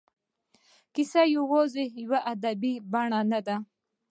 کیسه یوازې یوه ادبي بڼه نه ده.